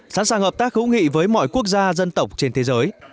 sẵn sàng hợp tác hữu nghị với mọi quốc gia dân tộc trên thế giới